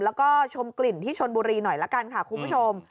แล้วก็ชมกลิ่นที่ชนบุรีหน่อยละกันค่ะคุณผู้ชม